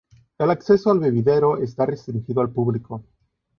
El acceso al vivero está restringido al público.